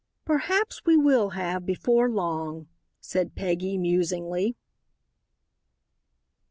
"Perhaps we will have before long," said Peggy, musingly.